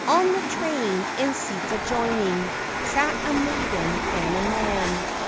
THE TRAIN Hn seats adjoining, sat a maiden and a man.